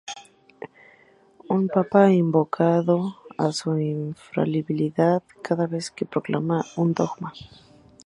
Un papa invoca su infalibilidad cada vez que proclama un dogma.